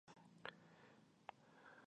فرنټل برخه د خبرو سلوک او مسایلو د حل دنده لري